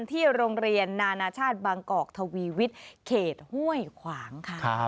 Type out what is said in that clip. ที่โรงเรียนนานาชาติบางกอกทวีวิทย์เขตห้วยขวางค่ะ